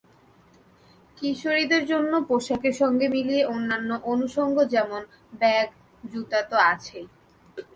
কিশোরীদের জন্য পোশাকের সঙ্গে মিলিয়ে অন্যান্য অনুষঙ্গ যেমন ব্যাগ, জুতা তো আছেই।